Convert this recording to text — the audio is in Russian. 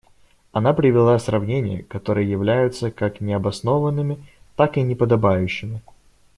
Она привела сравнения, которые являются как необоснованными, так и неподобающими.